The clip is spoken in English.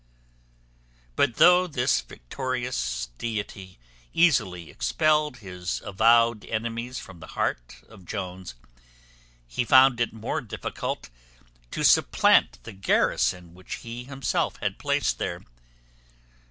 But though this victorious deity easily expelled his avowed enemies from the heart of Jones, he found it more difficult to supplant the garrison which he himself had placed there.